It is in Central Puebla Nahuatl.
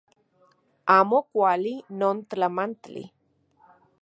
Amo kuali non tlamantli